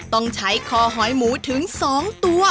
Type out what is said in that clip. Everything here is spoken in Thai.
ต้องใช้คอหอยหมูถึง๒ตัว